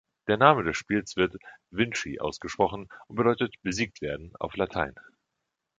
Der Name des Spiels wird „vinschi“ ausgesprochen und bedeutet „besiegt werden“ auf Latein.